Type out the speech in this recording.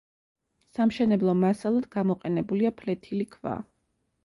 სამშენებლო მასალად გამოყენებულია ფლეთილი ქვა.